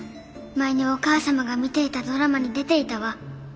前にお母様が見ていたドラマに出ていたわ。